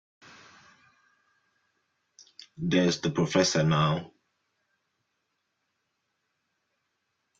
There's the professor now.